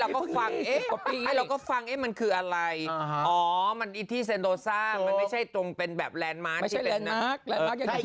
ก็ฟังให้เราก็มันคืออะไรอะมันดีที่เซโนซ่าไม่ใช่ตรงเป็นแบบแลนด์มาร์ต